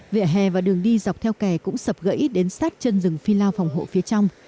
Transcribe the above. vỉa hè và đường đi dọc theo kè cũng sập gãy đến sát chân rừng phi lao phòng hộ phía trong